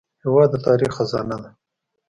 هېواد د تاریخ خزانه ده.